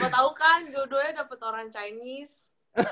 siapa tau kan dua duanya dapet orang chinese